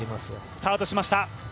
スタートしました。